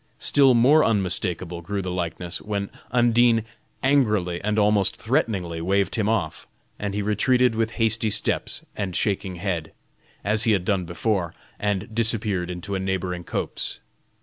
Still more unmistakable grew the likeness, when Undine angrily and almost threateningly waved him off, and he retreated with hasty steps and shaking head, as he had done before, and disappeared into a neighboring copse.